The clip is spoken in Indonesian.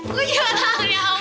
gue juga tangan